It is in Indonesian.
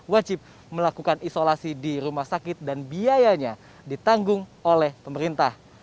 wajib melakukan isolasi di rumah sakit dan biayanya ditanggung oleh pemerintah